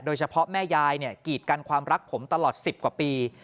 โดยเฉพาะแม่ยายเนี่ยกีดกันความรักผมตลอด๑๐กว่าปี